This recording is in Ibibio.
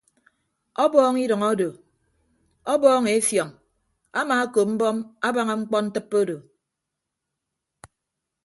Ọbọọñ idʌñ odo ọbọọñ efiọñ amaakop mbọm abaña mkpọntịppe odo.